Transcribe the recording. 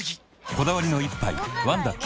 こだわりの一杯「ワンダ極」